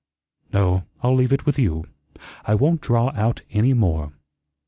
"No, I'll leave it with you. I won't draw out any more."